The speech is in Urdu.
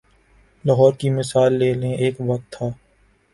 لاہور کی مثال لے لیں، ایک وقت تھا۔